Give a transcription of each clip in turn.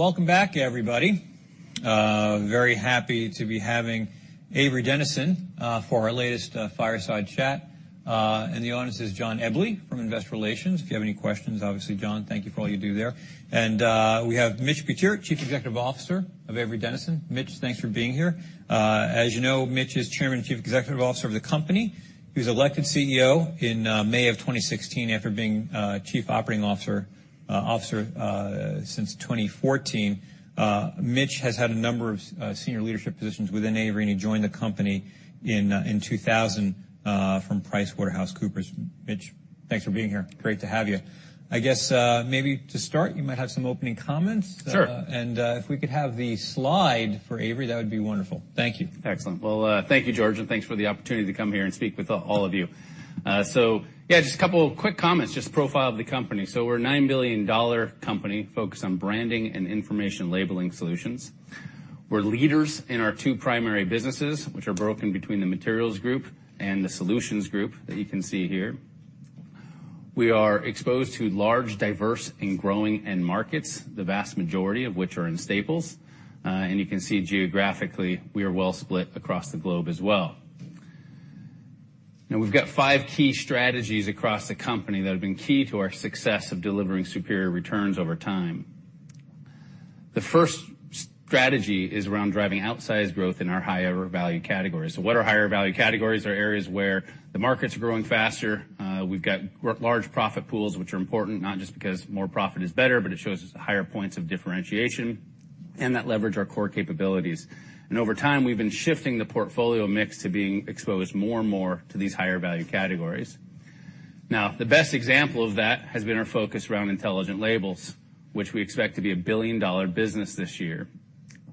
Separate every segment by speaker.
Speaker 1: Welcome back, everybody. very happy to be having Avery Dennison for our latest fireside chat. The audience is John Ebel from Investor Relations, if you have any questions. Obviously, John, thank you for all you do there. We have Mitch Butier, Chief Executive Officer of Avery Dennison. Mitch, thanks for being here. As you know, Mitch is Chairman and Chief Executive Officer of the company. He was elected CEO in May of 2016 after being Chief Operating Officer since 2014. Mitch has had a number of senior leadership positions within Avery, and he joined the company in 2000 from PricewaterhouseCoopers. Mitch, thanks for being here. Great to have you. I guess, maybe to start, you might have some opening comments.
Speaker 2: Sure.
Speaker 1: If we could have the slide for Avery, that would be wonderful. Thank you.
Speaker 2: Excellent. Well, thank you, George, and thanks for the opportunity to come here and speak with all of you. Just a couple of quick comments, just profile of the company. We're a $9 billion company focused on branding and information labeling solutions. We're leaders in our 2 primary businesses, which are broken between the Materials Group and the Solutions Group that you can see here. We are exposed to large, diverse, and growing end markets, the vast majority of which are in staples. You can see geographically, we are well split across the globe as well. We've got 5 key strategies across the company that have been key to our success of delivering superior returns over time. The first strategy is around driving outsized growth in our higher value categories. What are higher value categories are areas where the market's growing faster, we've got large profit pools, which are important not just because more profit is better, but it shows us higher points of differentiation, and that leverage our core capabilities. Over time, we've been shifting the portfolio mix to being exposed more and more to these higher value categories. Now, the best example of that has been our focus around Intelligent Labels, which we expect to be a billion-dollar business this year.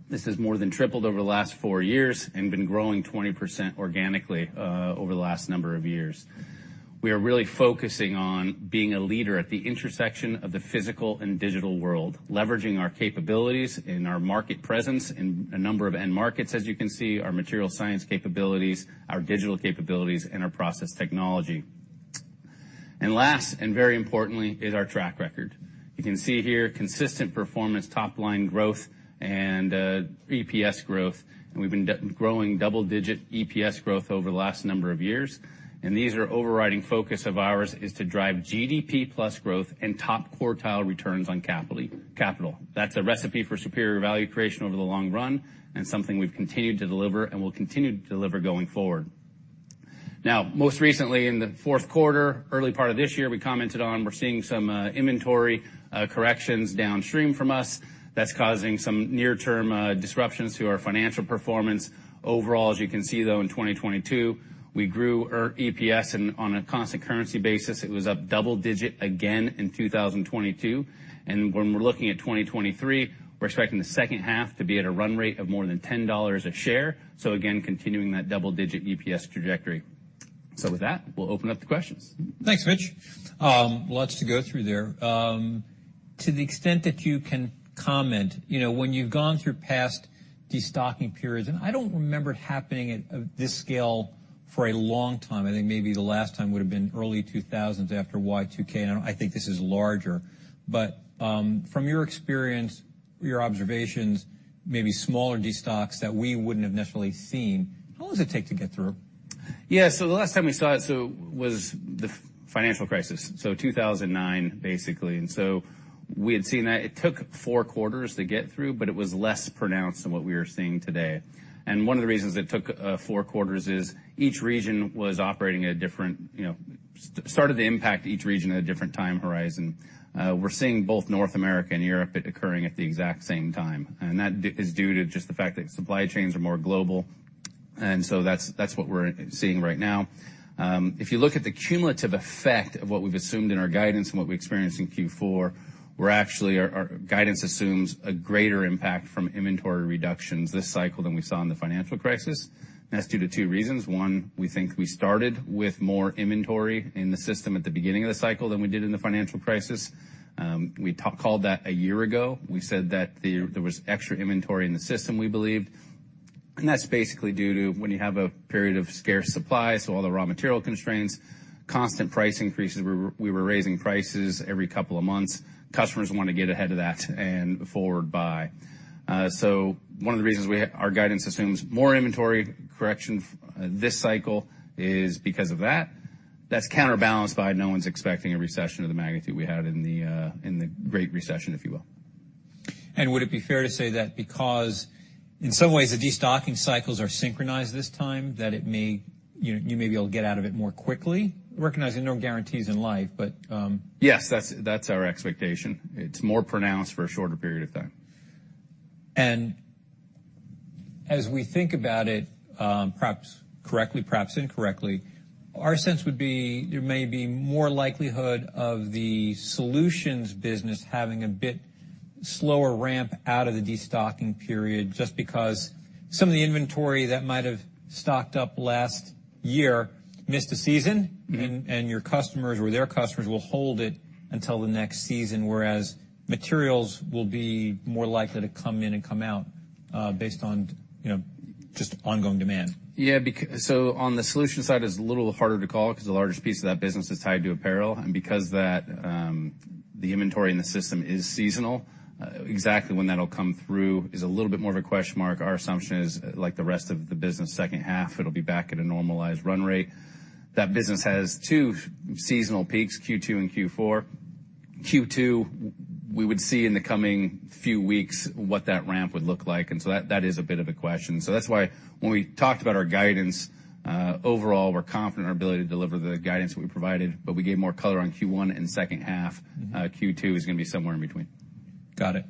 Speaker 2: This has more than tripled over the last four years and been growing 20% organically over the last number of years. We are really focusing on being a leader at the intersection of the physical and digital world, leveraging our capabilities and our market presence in a number of end markets, as you can see, our materials science capabilities, our digital capabilities, and our process technology. Last, and very importantly, is our track record. You can see here consistent performance top-line growth and EPS growth. We've been growing double-digit EPS growth over the last number of years. These are overriding focus of ours is to drive GDP plus growth and top quartile returns on capital. That's a recipe for superior value creation over the long run and something we've continued to deliver and will continue to deliver going forward. Now, most recently in the fourth quarter, early part of this year, we commented on we're seeing some inventory corrections downstream from us that's causing some near-term disruptions to our financial performance. Overall, as you can see, though, in 2022, we grew our EPS and on a constant currency basis, it was up double digit again in 2022. When we're looking at 2023, we're expecting the second half to be at a run rate of more than $10 a share. Again, continuing that double-digit EPS trajectory. With that, we'll open up to questions.
Speaker 1: Thanks, Mitch. lots to go through there. to the extent that you can comment, you know, when you've gone through past destocking periods, and I don't remember it happening at this scale for a long time. I think maybe the last time would have been early 2000s after Y2K. I think this is larger. From your experience, your observations, maybe smaller destocks that we wouldn't have necessarily seen, how long does it take to get through?
Speaker 2: Yeah. The last time we saw it, was the financial crisis, 2009, basically. We had seen that. It took 4 quarters to get through, but it was less pronounced than what we are seeing today. One of the reasons it took 4 quarters is each region was operating at a different, you know, started to impact each region at a different time horizon. We're seeing both North America and Europe occurring at the exact same time. That is due to just the fact that supply chains are more global. That's what we're seeing right now. If you look at the cumulative effect of what we've assumed in our guidance and what we experienced in Q4, we're actually our guidance assumes a greater impact from inventory reductions this cycle than we saw in the financial crisis. That's due to two reasons. One, we think we started with more inventory in the system at the beginning of the cycle than we did in the financial crisis. We called that a year ago. We said that there was extra inventory in the system, we believed. That's basically due to when you have a period of scarce supply, so all the raw material constraints, constant price increases. We were raising prices every couple of months. Customers wanna get ahead of that and forward buy. One of the reasons our guidance assumes more inventory correction this cycle is because of that. That's counterbalanced by no one's expecting a recession of the magnitude we had in the Great Recession, if you will.
Speaker 1: Would it be fair to say that because in some ways, the destocking cycles are synchronized this time, that it may, you know, you may be able to get out of it more quickly? Recognizing no guarantees in life, but.
Speaker 2: Yes, that's our expectation. It's more pronounced for a shorter period of time.
Speaker 1: As we think about it, perhaps correctly, perhaps incorrectly, our sense would be there may be more likelihood of the solutions business having a bit slower ramp out of the destocking period just because some of the inventory that might have stocked up last year missed a season.
Speaker 2: Mm-hmm.
Speaker 1: And your customers or their customers will hold it until the next season, whereas materials will be more likely to come in and come out, based on, you know, just ongoing demand.
Speaker 2: Yeah. On the Solutions Group side, it's a little harder to call because the largest piece of that business is tied to apparel, and because that, the inventory in the system is seasonal, exactly when that'll come through is a little bit more of a question mark. Our assumption is, like the rest of the business, second half, it'll be back at a normalized run rate. That business has two seasonal peaks, Q2 and Q4. Q2, we would see in the coming few weeks what that ramp would look like, that is a bit of a question. That's why when we talked about our guidance, overall, we're confident in our ability to deliver the guidance we provided, but we gave more color on Q1 and second half.
Speaker 1: Mm-hmm.
Speaker 2: Q2 is gonna be somewhere in between.
Speaker 1: Got it.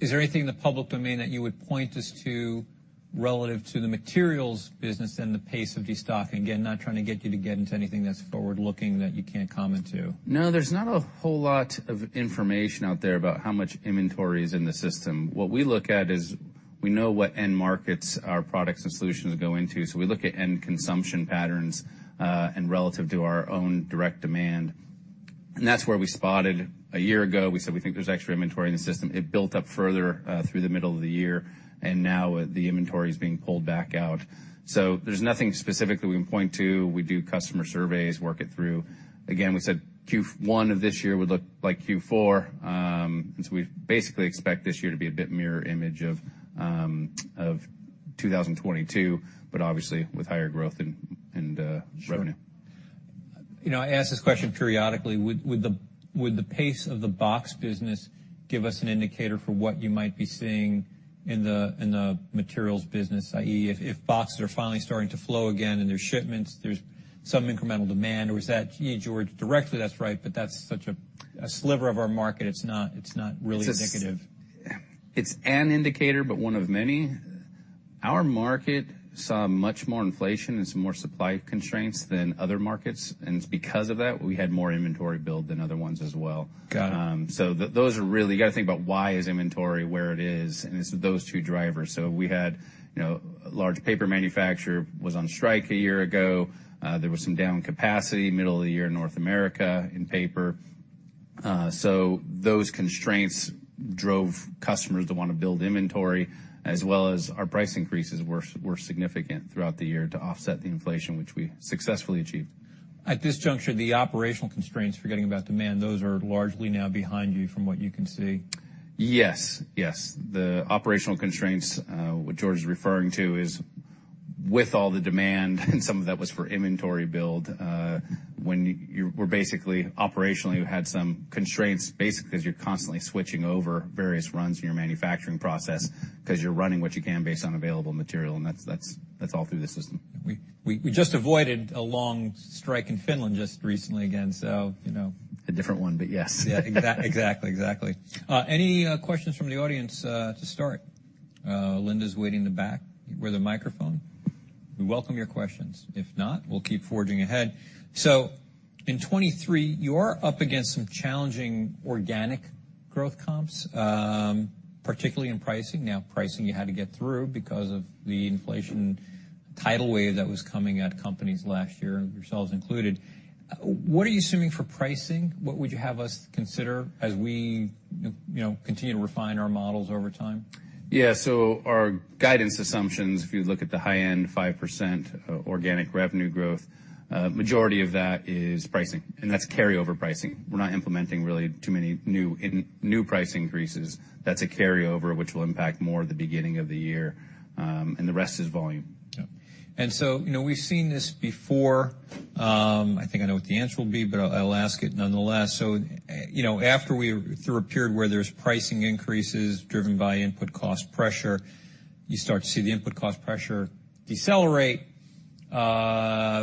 Speaker 1: Is there anything in the public domain that you would point us to relative to the materials business and the pace of destocking? Again, not trying to get you to get into anything that's forward-looking that you can't comment to.
Speaker 2: No, there's not a whole lot of information out there about how much inventory is in the system. What we look at is we know what end markets our products and solutions go into, so we look at end consumption patterns and relative to our own direct demand, and that's where we spotted. A year ago, we said we think there's extra inventory in the system. It built up further through the middle of the year, and now the inventory's being pulled back out. There's nothing specific that we can point to. We do customer surveys, work it through. We said Q1 of this year would look like Q4, and so we basically expect this year to be a bit mirror image of 2022, but obviously, with higher growth and revenue.
Speaker 1: Sure. You know, I ask this question periodically. Would the pace of the box business give us an indicator for what you might be seeing in the, in the materials business, i.e., if boxes are finally starting to flow again and there's shipments, there's some incremental demand, or is that, you know, George, directly that's right, but that's such a sliver of our market, it's not, it's not really indicative?
Speaker 2: It's an indicator, but one of many. Our market saw much more inflation and some more supply constraints than other markets, and it's because of that, we had more inventory build than other ones as well.
Speaker 1: Got it.
Speaker 2: Those are really. You gotta think about why is inventory where it is, and it's those two drivers. We had, you know, a large paper manufacturer was on strike a year ago. There was some down capacity middle of the year in North America in paper. Those constraints drove customers to wanna build inventory as well as our price increases were significant throughout the year to offset the inflation which we successfully achieved.
Speaker 1: At this juncture, the operational constraints, forgetting about demand, those are largely now behind you from what you can see?
Speaker 2: Yes, yes. The operational constraints, what George is referring to is with all the demand, and some of that was for inventory build, when you were basically operationally you had some constraints basically 'cause you're constantly switching over various runs in your manufacturing process 'cause you're running what you can based on available material, and that's, that's all through the system.
Speaker 1: We just avoided a long strike in Finland just recently again, you know.
Speaker 2: A different one, but yes.
Speaker 1: Yeah, exactly. Any questions from the audience to start? Linda's waiting in the back with a microphone. We welcome your questions. If not, we'll keep forging ahead. In 2023, you're up against some challenging organic growth comps, particularly in pricing. Now pricing you had to get through because of the inflation tidal wave that was coming at companies last year, yourselves included. What are you assuming for pricing? What would you have us consider as we, you know, continue to refine our models over time?
Speaker 2: Yeah. Our guidance assumptions, if you look at the high end, 5% organic revenue growth, majority of that is pricing, and that's carryover pricing. We're not implementing really too many new price increases. That's a carryover which will impact more at the beginning of the year, and the rest is volume.
Speaker 1: Yep. you know, we've seen this before. I think I know what the answer will be, but I'll ask it nonetheless. you know, after through a period where there's pricing increases driven by input cost pressure, you start to see the input cost pressure decelerate.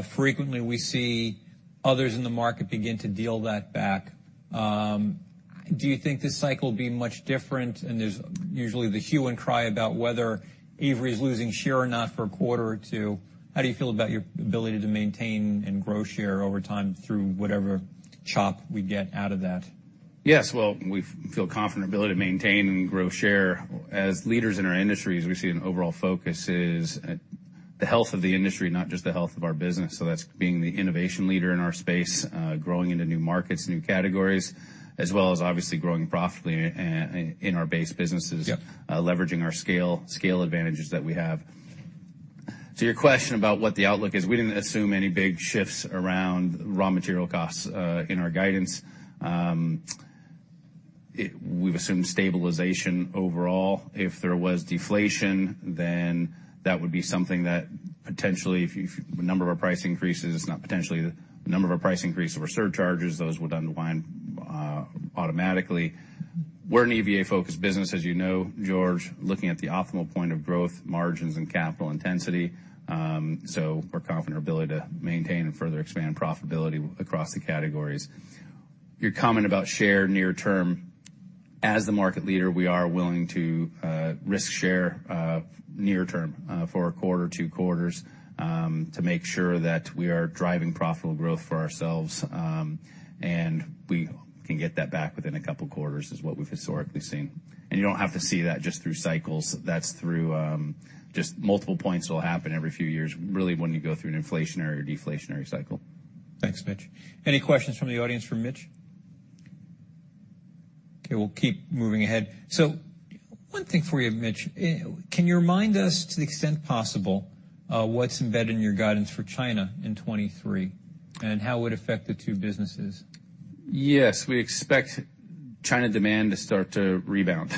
Speaker 1: Frequently we see others in the market begin to deal that back. Do you think this cycle will be much different? There's usually the hue and cry about whether Avery's losing share or not for a quarter or 2. How do you feel about your ability to maintain and grow share over time through whatever chop we get out of that?
Speaker 2: Yes. Well, we feel confident in our ability to maintain and grow share. As leaders in our industries, we see an overall focus is, the health of the industry, not just the health of our business, so that's being the innovation leader in our space, growing into new markets, new categories, as well as obviously growing profitably in our base businesses.
Speaker 1: Yep.
Speaker 2: leveraging our scale advantages that we have. To your question about what the outlook is, we didn't assume any big shifts around raw material costs in our guidance. We've assumed stabilization overall. If there was deflation, then that would be something that potentially if a number of our price increases, not potentially, a number of our price increase or surcharges, those would unwind automatically. We're an EVA-focused business, as you know, George, looking at the optimal point of growth, margins, and capital intensity. We're confident in our ability to maintain and further expand profitability across the categories. Your comment about share near term, as the market leader, we are willing to risk share near term for a quarter, 2 quarters, to make sure that we are driving profitable growth for ourselves, and we can get that back within a couple quarters is what we've historically seen. You don't have to see that just through cycles. That's through just multiple points will happen every few years, really when you go through an inflationary or deflationary cycle.
Speaker 1: Thanks, Mitch. Any questions from the audience for Mitch? Okay, we'll keep moving ahead. One thing for you, Mitch, can you remind us to the extent possible, what's embedded in your guidance for China in 2023, and how it would affect the two businesses?
Speaker 2: Yes. We expect China demand to start to rebound.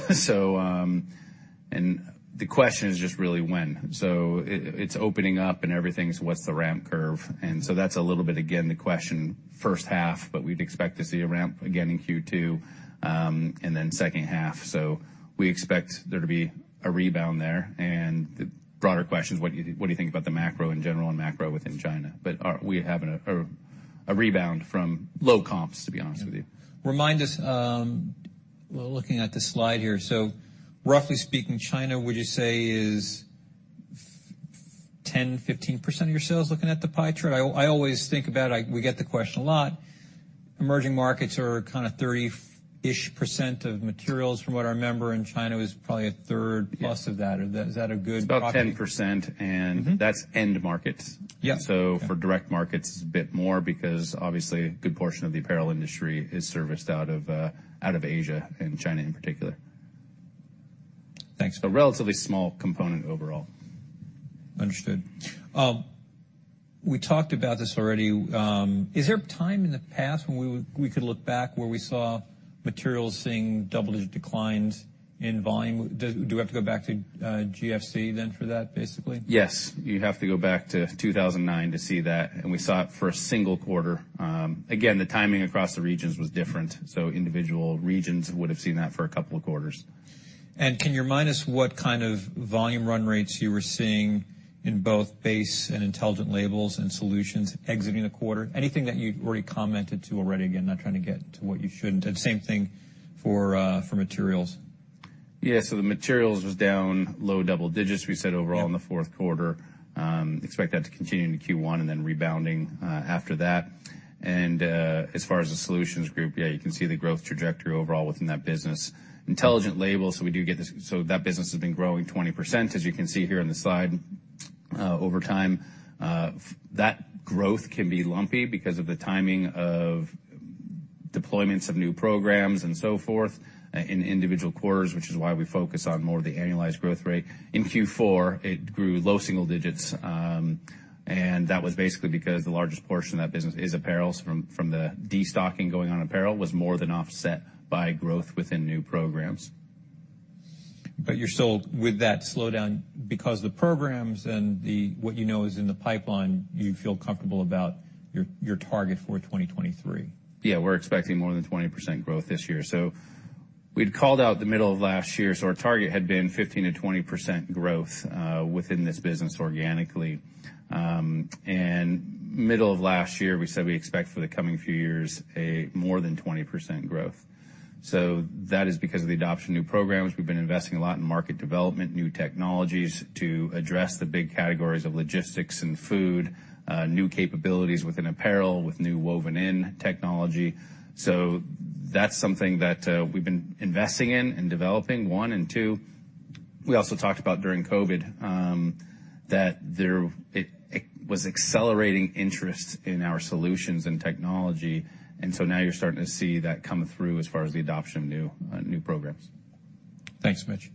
Speaker 2: The question is just really when. It's opening up and everything, so what's the ramp curve? That's a little bit again, the question first half, but we'd expect to see a ramp again in Q2, and then second half. We expect there to be a rebound there. The broader question is what do you, what do you think about the macro in general and macro within China? We're having a rebound from low comps, to be honest with you.
Speaker 1: Remind us, we're looking at this slide here. Roughly speaking, China, would you say is 10-15% of your sales, looking at the pie chart? I always think about it. We get the question a lot. Emerging markets are kind of 30%-ish of materials from what I remember, and China was probably a third plus of that. Is that a good-
Speaker 2: It's about 10%, and that's end markets.
Speaker 1: Yeah.
Speaker 2: For direct markets, it's a bit more because obviously a good portion of the apparel industry is serviced out of, out of Asia and China in particular.
Speaker 1: Thanks.
Speaker 2: A relatively small component overall.
Speaker 1: Understood. We talked about this already. Is there a time in the past when we could look back where we saw materials seeing double-digit declines in volume? Do we have to go back to GFC then for that, basically?
Speaker 2: Yes. You have to go back to 2009 to see that, and we saw it for a single quarter. Again, the timing across the regions was different, so individual regions would have seen that for a couple of quarters.
Speaker 1: Can you remind us what kind of volume run rates you were seeing in both base and Intelligent Labels and Solutions exiting the quarter? Anything that you've already commented to already. Again, not trying to get to what you shouldn't. Same thing for Materials.
Speaker 2: The Materials was down low double digits, we said overall in the fourth quarter. Expect that to continue into Q1 and then rebounding after that. As far as the Solutions Group, you can see the growth trajectory overall within that business. Intelligent Labels, we do get this. That business has been growing 20%, as you can see here on the slide. Over time, that growth can be lumpy because of the timing of deployments of new programs and so forth in individual quarters, which is why we focus on more of the annualized growth rate. In Q4, it grew low single digits, and that was basically because the largest portion of that business is apparel from the destocking going on apparel was more than offset by growth within new programs.
Speaker 1: You're still with that slowdown because the programs and what you know is in the pipeline, you feel comfortable about your target for 2023.
Speaker 2: Yeah. We're expecting more than 20% growth this year. We'd called out the middle of last year. Our target had been 15%-20% growth within this business organically. Middle of last year, we said we expect for the coming few years a more than 20% growth. That is because of the adoption of new programs. We've been investing a lot in market development, new technologies to address the big categories of logistics and food, new capabilities within apparel with new woven in technology. That's something that we've been investing in and developing, one. Two, we also talked about during COVID that it was accelerating interest in our solutions and technology. Now you're starting to see that come through as far as the adoption of new programs.
Speaker 1: Thanks, Mitch.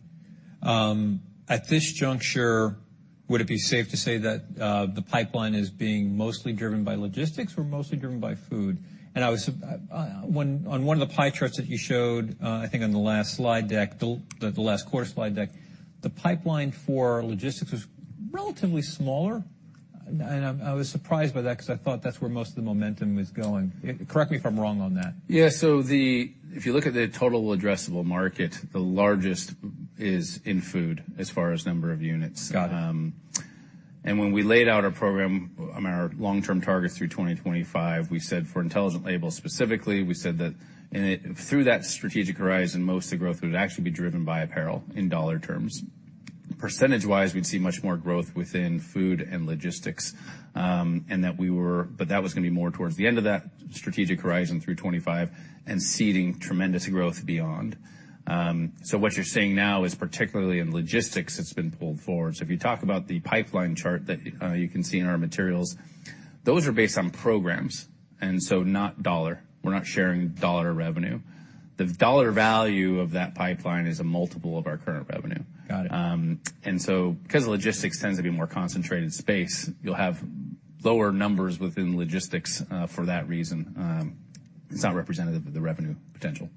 Speaker 1: At this juncture, would it be safe to say that the pipeline is being mostly driven by logistics or mostly driven by food? I was on one of the pie charts that you showed, I think on the last slide deck, the last quarter slide deck, the pipeline for logistics was relatively smaller. I was surprised by that because I thought that's where most of the momentum was going. Correct me if I'm wrong on that.
Speaker 2: Yeah. If you look at the total addressable market, the largest is in food as far as number of units.
Speaker 1: Got it.
Speaker 2: When we laid out our program, our long-term targets through 2025, we said for Intelligent Labels specifically, we said that through that strategic horizon, most of the growth would actually be driven by apparel in $ terms. Percentage-wise, we'd see much more growth within food and logistics, that was gonna be more towards the end of that strategic horizon through 2025 and seeding tremendous growth beyond. What you're seeing now is particularly in logistics, it's been pulled forward. If you talk about the pipeline chart that you can see in our materials, those are based on programs, and so not $. We're not sharing $ revenue. The $ value of that pipeline is a multiple of our current revenue.
Speaker 1: Got it.
Speaker 2: Because logistics tends to be a more concentrated space, you'll have lower numbers within logistics, for that reason. It's not representative of the revenue potential.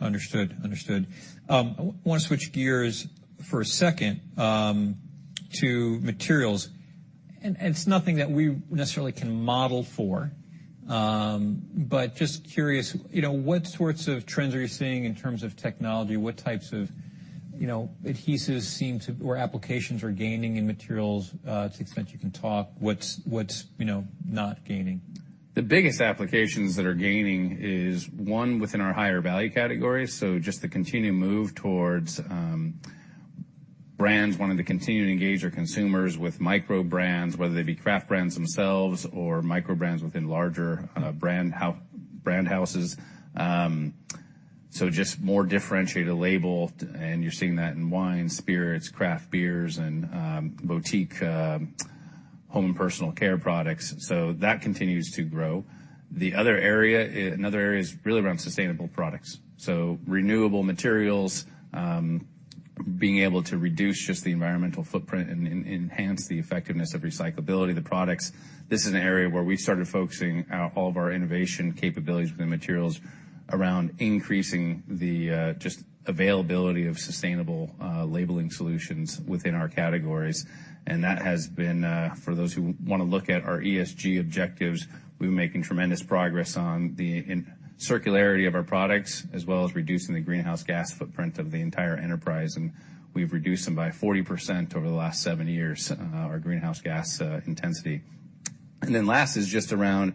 Speaker 1: Understood. Understood. I wanna switch gears for a second to materials. It's nothing that we necessarily can model for, but just curious, you know, what sorts of trends are you seeing in terms of technology? What types of, you know, adhesives or applications are gaining in materials, to the extent you can talk, what's, you know, not gaining?
Speaker 2: The biggest applications that are gaining is, one, within our higher value categories. Just the continued move towards brands wanting to continue to engage their consumers with micro brands, whether they be craft brands themselves or micro brands within larger brand houses. Just more differentiated label, and you're seeing that in wine, spirits, craft beers, and boutique home and personal care products. That continues to grow. Another area is really around sustainable products. Renewable materials, being able to reduce just the environmental footprint and enhance the effectiveness of recyclability of the products. This is an area where we started focusing all of our innovation capabilities within materials around increasing the just availability of sustainable labeling solutions within our categories. That has been, for those who wanna look at our ESG objectives, we're making tremendous progress on the circularity of our products as well as reducing the greenhouse gas footprint of the entire enterprise, and we've reduced them by 40% over the last 7 years, our greenhouse gas intensity. Last is just around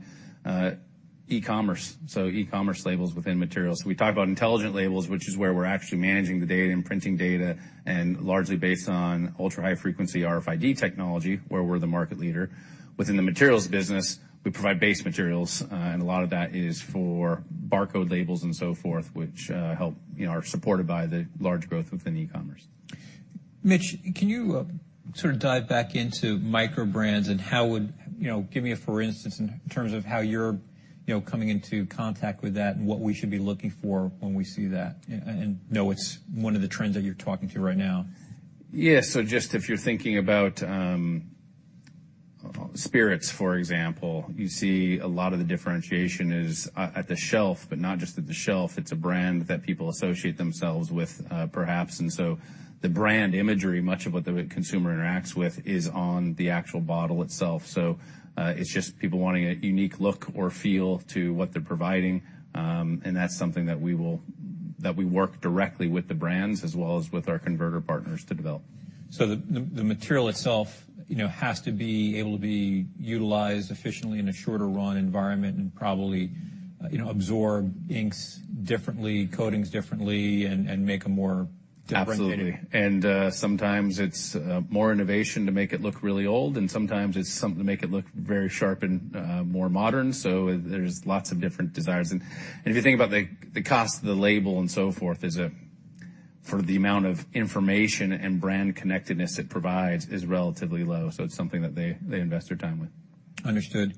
Speaker 2: e-commerce, so e-commerce labels within materials. We talk about Intelligent Labels, which is where we're actually managing the data and printing data and largely based on ultra-high frequency RFID technology, where we're the market leader. Within the materials business, we provide base materials, and a lot of that is for barcode labels and so forth, which, you know, are supported by the large growth within e-commerce.
Speaker 1: Mitch, can you sort of dive back into micro brands and You know, give me a for instance in terms of how you're, you know, coming into contact with that and what we should be looking for when we see that and know it's one of the trends that you're talking to right now?
Speaker 2: Yeah. Just if you're thinking about spirits, for example, you see a lot of the differentiation is at the shelf, but not just at the shelf. It's a brand that people associate themselves with, perhaps. The brand imagery, much of what the consumer interacts with is on the actual bottle itself. It's just people wanting a unique look or feel to what they're providing, and that's something that we work directly with the brands as well as with our converter partners to develop.
Speaker 1: The material itself, you know, has to be able to be utilized efficiently in a shorter run environment and probably, you know, absorb inks differently, coatings differently and make a more different-.
Speaker 2: Absolutely. Sometimes it's more innovation to make it look really old, and sometimes it's something to make it look very sharp and more modern. There's lots of different desires. If you think about the cost of the label and so forth is for the amount of information and brand connectedness it provides is relatively low. It's something that they invest their time with.
Speaker 1: Understood.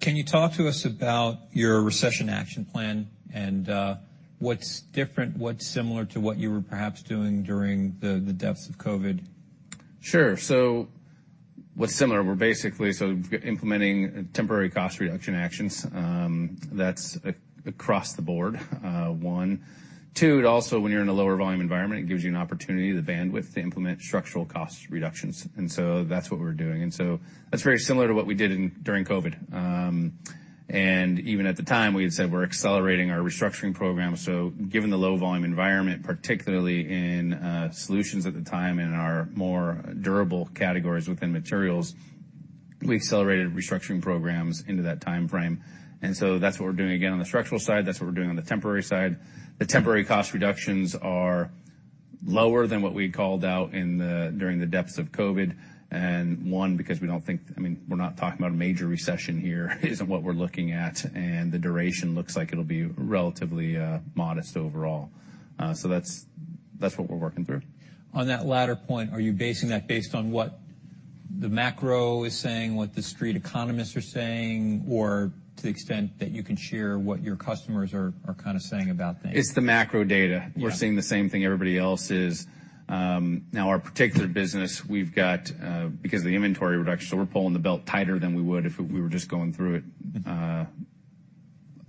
Speaker 1: Can you talk to us about your recession action plan and what's different, what's similar to what you were perhaps doing during the depths of COVID?
Speaker 2: Sure. What's similar, we're basically implementing temporary cost reduction actions across the board, one. Two, it also, when you're in a lower volume environment, it gives you an opportunity, the bandwidth to implement structural cost reductions. That's what we're doing. That's very similar to what we did during COVID. Even at the time, we had said we're accelerating our restructuring program. Given the low volume environment, particularly in Solutions at the time in our more durable categories within Materials, we accelerated restructuring programs into that timeframe. That's what we're doing again on the structural side. That's what we're doing on the temporary side. The temporary cost reductions are lower than what we called out during the depths of COVID. One, because I mean, we're not talking about a major recession here, isn't what we're looking at, and the duration looks like it'll be relatively, modest overall. That's what we're working through.
Speaker 1: On that latter point, are you basing that based on what the macro is saying, what the street economists are saying, or to the extent that you can share what your customers are kinda saying about things?
Speaker 2: It's the macro data.
Speaker 1: Yeah.
Speaker 2: We're seeing the same thing everybody else is. Now our particular business we've got, because of the inventory reduction, we're pulling the belt tighter than we would if we were just going through it,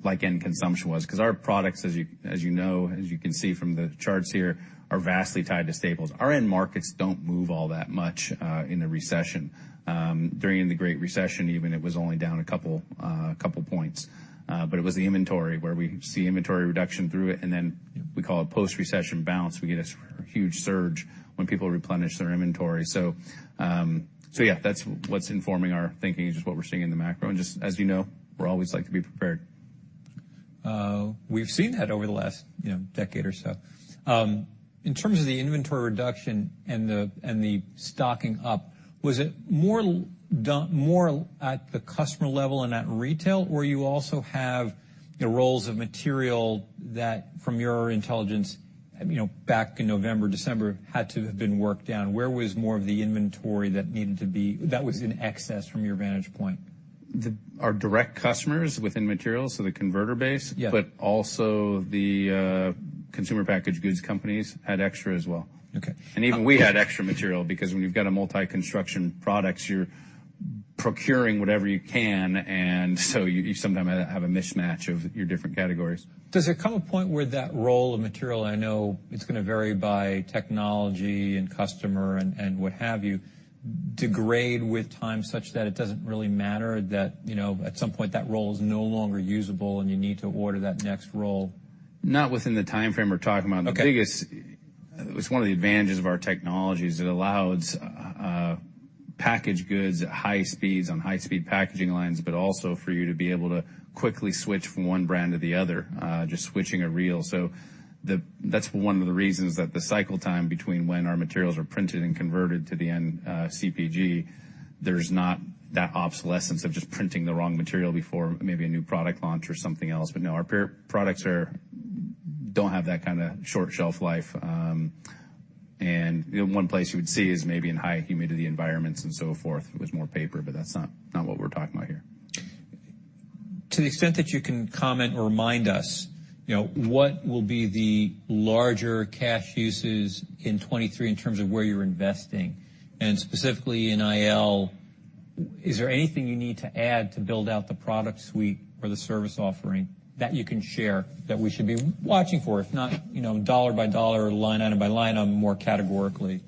Speaker 2: like end consumption was. 'Cause our products, as you know, as you can see from the charts here, are vastly tied to staples. Our end markets don't move all that much in a recession. During the Great Recession even, it was only down a couple points. It was the inventory where we see inventory reduction through it, and then we call it post-recession bounce. We get a huge surge when people replenish their inventory. So yeah, that's what's informing our thinking is just what we're seeing in the macro. Just as you know, we always like to be prepared.
Speaker 1: We've seen that over the last, you know, decade or so. In terms of the inventory reduction and the, and the stocking up, was it more done more at the customer level and at retail or you also have the roles of material that from your intelligence, you know, back in November, December, had to have been worked down? Where was more of the inventory that was in excess from your vantage point?
Speaker 2: Our direct customers within materials, so the converter base.
Speaker 1: Yeah.
Speaker 2: also the consumer packaged goods companies had extra as well.
Speaker 1: Okay.
Speaker 2: Even we had extra material because when you've got a multi-construction products, you're procuring whatever you can, and so you sometimes have a mismatch of your different categories.
Speaker 1: Does there come a point where that roll of material, I know it's gonna vary by technology and customer and what have you, degrade with time such that it doesn't really matter that, you know, at some point that roll is no longer usable, and you need to order that next roll?
Speaker 2: Not within the timeframe we're talking about.
Speaker 1: Okay.
Speaker 2: It's one of the advantages of our technologies. It allows package goods at high speeds on high-speed packaging lines, but also for you to be able to quickly switch from one brand to the other, just switching a reel. That's one of the reasons that the cycle time between when our materials are printed and converted to the end CPG, there's not that obsolescence of just printing the wrong material before maybe a new product launch or something else. No, our peer products don't have that kind of short shelf life, and, you know, one place you would see is maybe in high humidity environments and so forth with more paper, but that's not what we're talking about here.
Speaker 1: To the extent that you can comment or remind us, you know, what will be the larger cash uses in 2023 in terms of where you're investing? Specifically in IL, is there anything you need to add to build out the product suite or the service offering that you can share that we should be watching for, if not, you know, dollar by dollar or line item by line item, more categorically?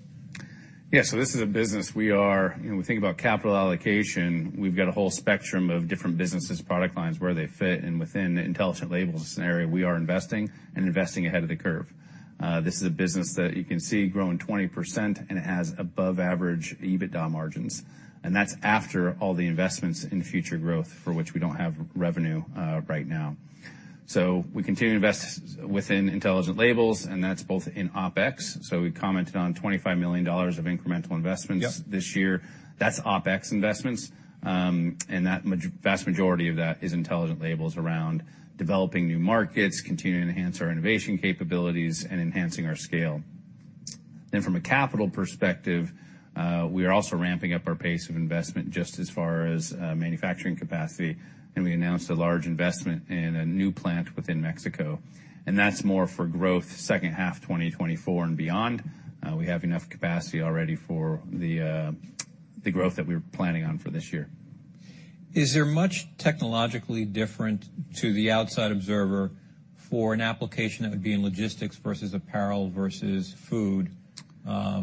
Speaker 2: Yeah. You know, we think about capital allocation, we've got a whole spectrum of different businesses, product lines, where they fit, and within the Intelligent Labels scenario, we are investing and investing ahead of the curve. This is a business that you can see growing 20% and it has above average EBITDA margins. That's after all the investments in future growth for which we don't have revenue right now. We continue to invest within Intelligent Labels, and that's both in OpEx. We commented on $25 million of incremental investments...
Speaker 1: Yep.
Speaker 2: -this year. That's OpEx investments, and that vast majority of that is Intelligent Labels around developing new markets, continuing to enhance our innovation capabilities, and enhancing our scale. From a capital perspective, we are also ramping up our pace of investment just as far as manufacturing capacity. We announced a large investment in a new plant within Mexico. That's more for growth second half of 2024 and beyond. We have enough capacity already for the growth that we were planning on for this year.
Speaker 1: Is there much technologically different to the outside observer for an application that would be in logistics versus apparel versus food?
Speaker 2: Yeah.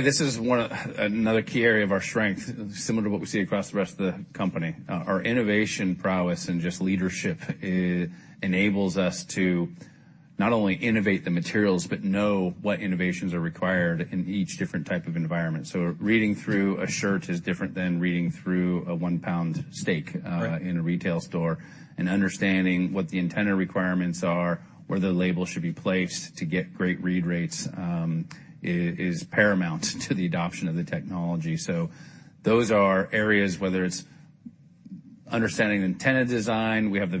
Speaker 2: This is another key area of our strength, similar to what we see across the rest of the company. Our innovation prowess and just leadership enables us to not only innovate the materials, but know what innovations are required in each different type of environment. Reading through a shirt is different than reading through a 1-pound steak in a retail store. Understanding what the antenna requirements are, where the label should be placed to get great read rates, is paramount to the adoption of the technology. Those are areas, whether it's understanding the antenna design, we have a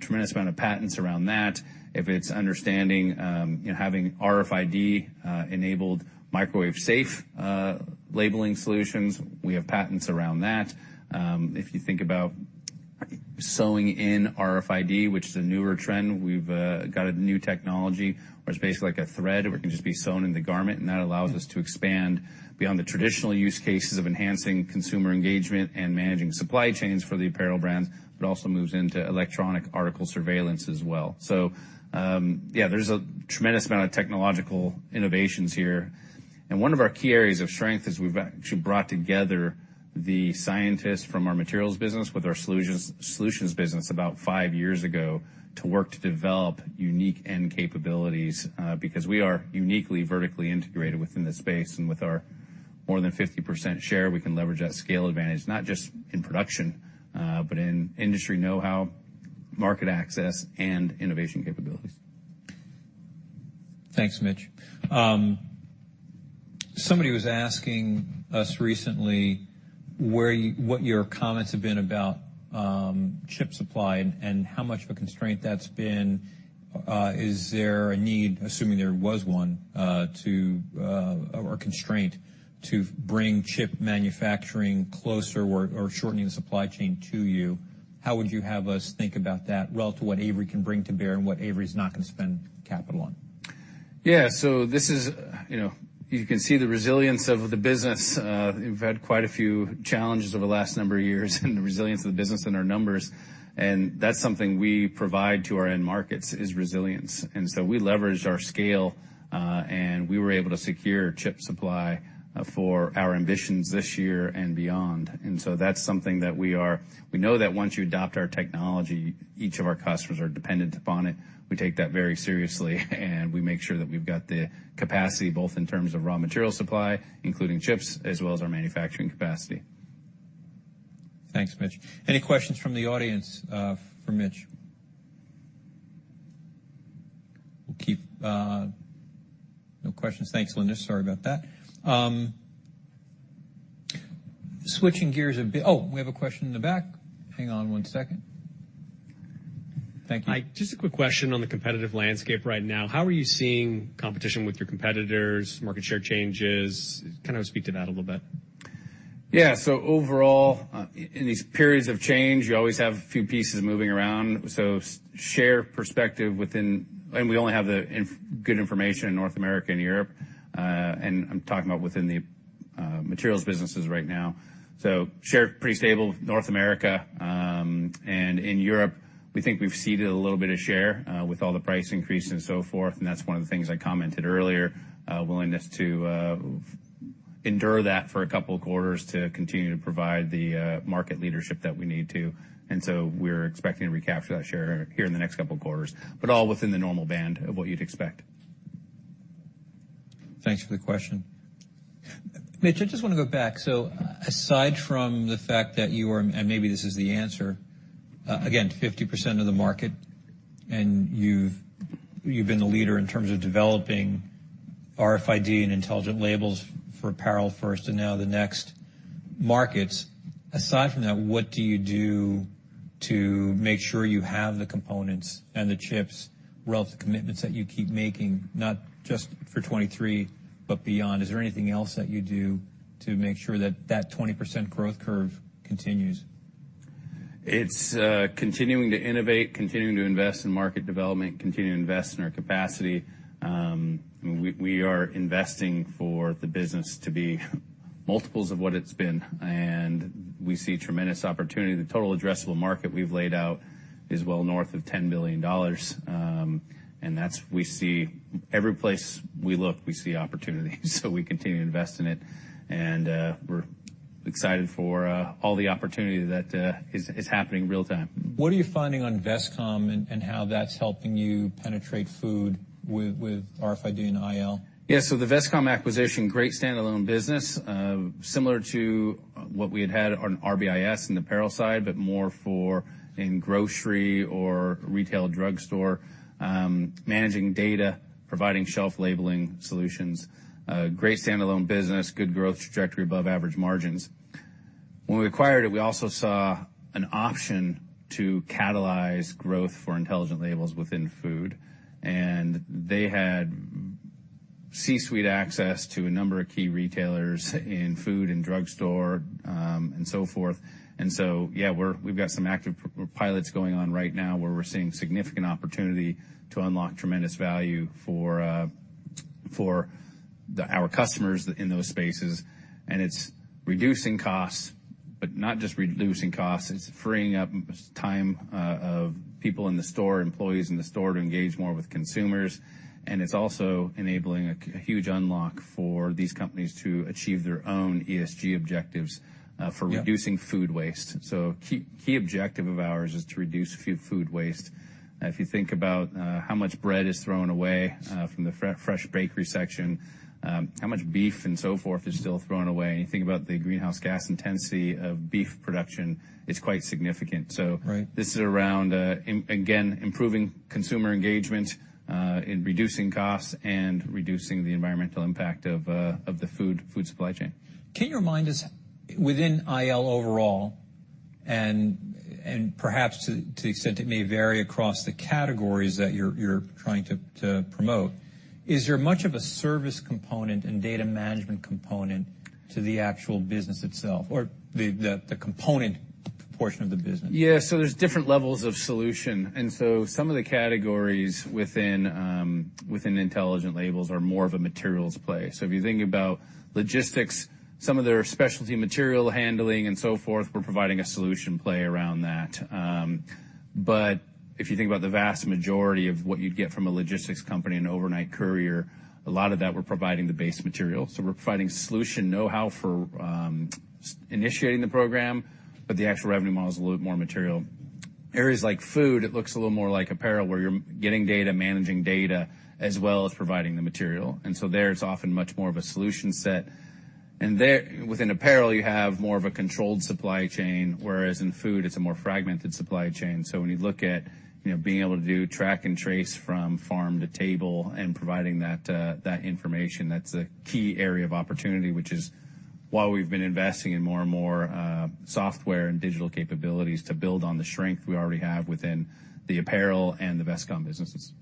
Speaker 2: tremendous amount of patents around that. If it's understanding, you know, having RFID enabled microwave safe labeling solutions, we have patents around that. If you think about sewing in RFID, which is a newer trend, we've got a new technology where it's basically like a thread where it can just be sewn in the garment. That allows us to expand beyond the traditional use cases of enhancing consumer engagement and managing supply chains for the apparel brands. It also moves into electronic article surveillance as well. There's a tremendous amount of technological innovations here. One of our key areas of strength is we've actually brought together the scientists from our Materials Group with our Solutions Group about 5 years ago to work to develop unique end capabilities because we are uniquely vertically integrated within this space. With our more than 50% share, we can leverage that scale advantage, not just in production, but in industry know-how, market access, and innovation capabilities.
Speaker 1: Thanks, Mitch. Somebody was asking us recently where what your comments have been about, chip supply and how much of a constraint that's been. Is there a need, assuming there was one, to, or constraint to bring chip manufacturing closer or shortening the supply chain to you? How would you have us think about that relative to what Avery can bring to bear and what Avery's not gonna spend capital on?
Speaker 2: Yeah. This is, you know, you can see the resilience of the business. We've had quite a few challenges over the last number of years and the resilience of the business in our numbers, and that's something we provide to our end markets is resilience. We leverage our scale, and we were able to secure chip supply for our ambitions this year and beyond. That's something that we know that once you adopt our technology, each of our customers are dependent upon it. We take that very seriously, and we make sure that we've got the capacity, both in terms of raw material supply, including chips, as well as our manufacturing capacity.
Speaker 1: Thanks, Mitch. Any questions from the audience for Mitch? No questions. Thanks, Linda. Sorry about that. Switching gears a bit. Oh, we have a question in the back. Hang on one second. Thank you.
Speaker 3: Hi. Just a quick question on the competitive landscape right now. How are you seeing competition with your competitors, market share changes? Kind of speak to that a little bit.
Speaker 2: Overall, in these periods of change, you always have a few pieces moving around. Share perspective. We only have the good information in North America and Europe, and I'm talking about within the Materials businesses right now. Share pretty stable North America, and in Europe, we think we've ceded a little bit of share with all the price increases and so forth, and that's one of the things I commented earlier, willingness to endure that for 2 quarters to continue to provide the market leadership that we need to. We're expecting to recapture that share here in the next 2 quarters, but all within the normal band of what you'd expect.
Speaker 1: Thanks for the question. Mitch, I just want to go back. Aside from the fact that you are, and maybe this is the answer, again, 50% of the market, and you've been the leader in terms of developing RFID and Intelligent Labels for apparel first and now the next markets. Aside from that, what do you do to make sure you have the components and the chips relative to commitments that you keep making, not just for 2023, but beyond? Is there anything else that you do to make sure that that 20% growth curve continues?
Speaker 2: It's continuing to innovate, continuing to invest in market development, continuing to invest in our capacity. We are investing for the business to be multiples of what it's been. We see tremendous opportunity. The total addressable market we've laid out is well north of $10 billion. That's. Every place we look, we see opportunity, so we continue to invest in it. We're excited for all the opportunity that is happening real time.
Speaker 1: What are you finding on Vestcom and how that's helping you penetrate food with RFID and IL?
Speaker 2: Yeah, the Vestcom acquisition, great standalone business, similar to what we had had on RBIS in apparel side, but more for in grocery or retail drugstore, managing data, providing shelf labeling solutions. Great standalone business, good growth trajectory, above average margins. When we acquired it, we also saw an option to catalyze growth for Intelligent Labels within food, they had C-suite access to a number of key retailers in food and drugstore, and so forth. Yeah, we've got some active pilots going on right now where we're seeing significant opportunity to unlock tremendous value for our customers in those spaces, and it's reducing costs, but not just reducing costs, it's freeing up time of people in the store, employees in the store to engage more with consumers. It's also enabling a huge unlock for these companies to achieve their own ESG objectives for reducing food waste. Key objective of ours is to reduce food waste. If you think about how much bread is thrown away from the fresh bakery section, how much beef and so forth is still thrown away, and you think about the greenhouse gas intensity of beef production, it's quite significant.
Speaker 1: Right.
Speaker 2: This is around, again, improving consumer engagement, in reducing costs and reducing the environmental impact of the food supply chain.
Speaker 1: Can you remind us within IL overall and perhaps to the extent it may vary across the categories that you're trying to promote, is there much of a service component and data management component to the actual business itself or the component portion of the business?
Speaker 2: Yeah, there's different levels of solution. Some of the categories within Intelligent Labels are more of a materials play. If you think about logistics, some of their specialty material handling and so forth, we're providing a solution play around that. If you think about the vast majority of what you'd get from a logistics company and overnight courier, a lot of that we're providing the base material. We're providing solution know-how for initiating the program, but the actual revenue model is a little bit more material. Areas like food, it looks a little more like apparel, where you're getting data, managing data, as well as providing the material. There it's often much more of a solution set. There, within apparel, you have more of a controlled supply chain, whereas in food it's a more fragmented supply chain. When you look at, you know, being able to do track and trace from farm to table and providing that information, that's a key area of opportunity, which is why we've been investing in more and more software and digital capabilities to build on the strength we already have within the apparel and the Vestcom businesses.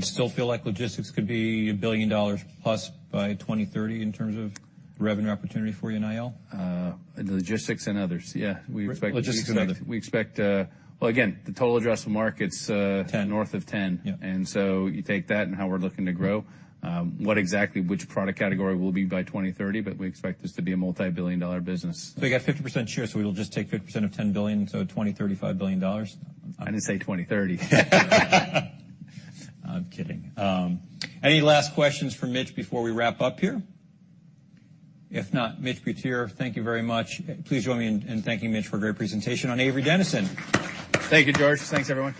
Speaker 1: Still feel like logistics could be $1 billion plus by 2030 in terms of revenue opportunity for you in IL?
Speaker 2: the logistics and others. Yeah.
Speaker 1: Logistics and others.
Speaker 2: We expect. Well, again, the total addressable market's...
Speaker 1: Ten.
Speaker 2: North of $10.
Speaker 1: Yeah.
Speaker 2: You take that and how we're looking to grow, what exactly which product category will be by 2030, but we expect this to be a multi-billion dollar business.
Speaker 1: You got 50% share, so we will just take 50% of $10 billion, so $20, $35 billion.
Speaker 2: I didn't say 2030.
Speaker 1: I'm kidding. Any last questions for Mitch before we wrap up here? If not, Mitch Butier, thank you very much. Please join me in thanking Mitch for a great presentation on Avery Dennison.
Speaker 2: Thank you, George. Thanks, everyone.